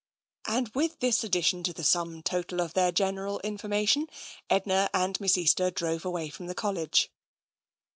And with this addition to the sum total of their gen eral information, Edna and Miss Easter drove away from the College.